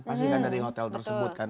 pasti kan dari hotel tersebut kan